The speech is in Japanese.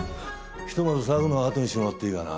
ひとまず騒ぐのはあとにしてもらっていいかな。